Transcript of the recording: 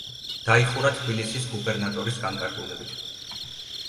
დაიხურა თბილისის გუბერნატორის განკარგულებით.